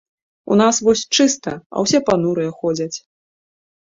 У нас вось чыста, а ўсе панурыя ходзяць.